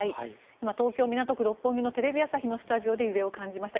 今、東京・港区六本木のテレビ朝日のスタジオで揺れを感じました。